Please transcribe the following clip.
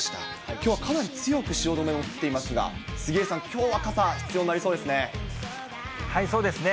きょうはかなり強く汐留も降っていますが、杉江さん、きょうは傘、そうですね。